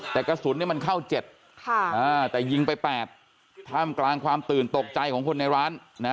แต่กระสุนมันเข้า๗แต่ยิงไป๘ท่ามกลางความตื่นตกใจของคนในร้านนะ